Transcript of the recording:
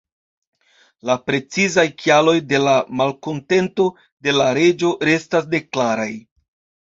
La precizaj kialoj de la malkontento de la reĝo restas neklaraj.